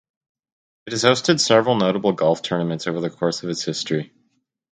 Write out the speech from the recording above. It has hosted several notable golf tournaments over the course of its history.